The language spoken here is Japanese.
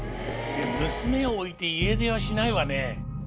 娘を置いて家出はしないわね。